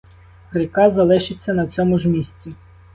Ріка залишиться на цьому ж місці.